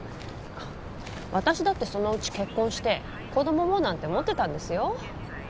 私だってそのうち結婚して子供もなんて思ってたんですよ